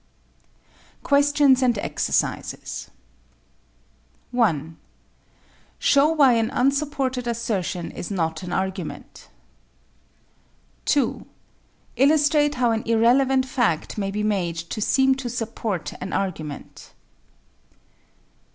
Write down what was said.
_) QUESTIONS AND EXERCISES 1. Show why an unsupported assertion is not an argument. 2. Illustrate how an irrelevant fact may be made to seem to support an argument.